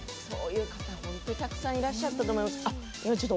そういう方、本当にたくさんいらっしゃったと思う。